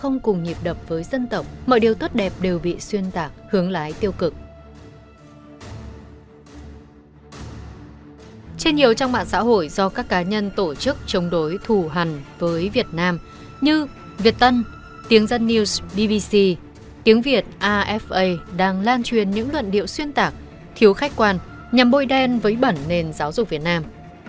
nhiều trong mạng xã hội do các cá nhân tổ chức chống đối thù hẳn với việt nam như việt tân tiếng dân news bbc tiếng việt afa đang lan truyền những luận điệu xuyên tạc thiếu khách quan nhằm bôi đen với bẩn nền giáo dục việt nam